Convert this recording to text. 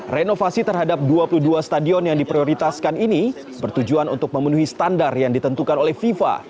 renovasi terhadap dua puluh dua stadion yang diprioritaskan ini bertujuan untuk memenuhi standar yang ditentukan oleh fifa